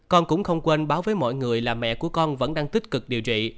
con cũng không quên báo với mọi người là mẹ của con vẫn đang tích cực điều trị